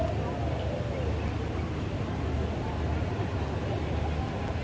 asal sekolah sma negeri dua puluh empat